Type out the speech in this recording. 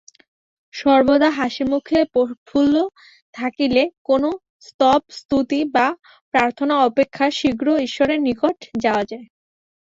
সর্বদা হাসিমুখে প্রফুল্ল থাকিলে কোন স্তবস্তুতি বা প্রার্থনা অপেক্ষা শীঘ্র ঈশ্বরের নিকট যাওয়া যায়।